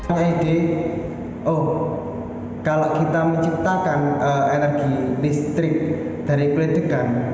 ada ide oh kalau kita menciptakan energi listrik dari kulit tegan